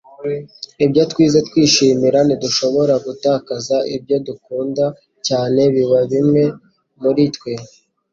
Ibyo twigeze kwishimira ntidushobora gutakaza. Ibyo dukunda cyane biba bimwe muri twe. ”